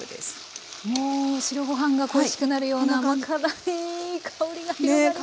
もう白ご飯が恋しくなるような甘辛いいい香りが広がりますね。